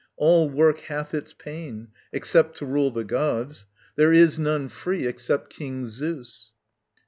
_ All work hath its pain, Except to rule the gods. There is none free Except King Zeus.